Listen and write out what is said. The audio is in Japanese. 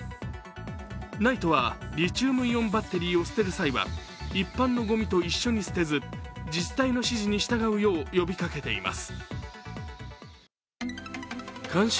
ＮＩＴＥはリチウムイオンバッテリーを捨てる際は、一般のごみと一緒に捨てず自治体の指示に従うよう呼びかけています。